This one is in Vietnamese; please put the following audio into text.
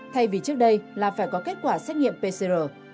thay vì trước đây là phải có kết quả xét nghiệm pcr